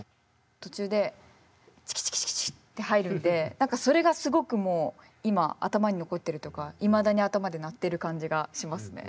途中でチキチキチキチキって入るんで何かそれがすごくもう今頭に残ってるというかいまだに頭で鳴ってる感じがしますね。